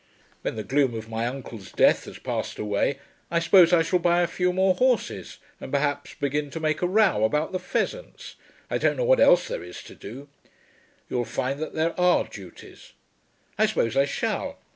When the gloom of my uncle's death has passed away, I suppose I shall buy a few more horses and perhaps begin to make a row about the pheasants. I don't know what else there is to do." "You'll find that there are duties." "I suppose I shall.